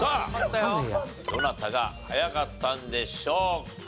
どなたが早かったんでしょうか？